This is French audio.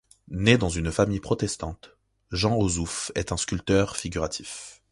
Né dans une famille protestante, Jean Osouf est un sculpteur figuratif.